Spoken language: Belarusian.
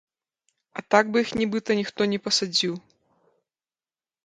А так бы іх нібыта ніхто не пасадзіў.